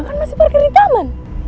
makan masih parkir di taman